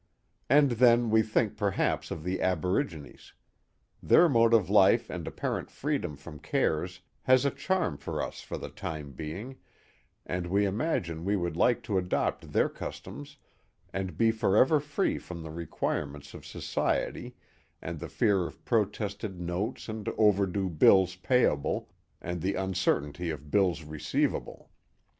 And then we think perhaps of the aborigines. Their mode of life and apparent freedom from cares has a charm for us for the time being, and we imagine we would like to adopt their customs and be forever free from the requirements of society and the fear of protested notes and overdue bills payable, and the un certainty of bills receivable.